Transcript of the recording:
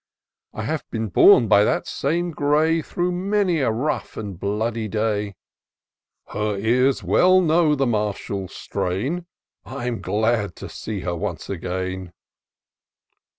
I have been borne by that same grey Through many a rough and bloody day:' Her ears well know the martial strain; — I'm glad to see her once again."